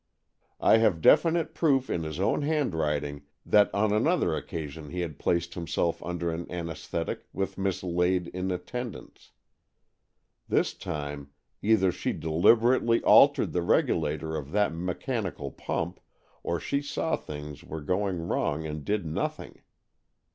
I have definite proof in his own handwriting that on another occasion he had placed himself under an anaesthetic with Miss Lade in attendance. This time, either she deliberately altered the regulator of that mechanical pump, or she saw that things were going wrong and did nothing.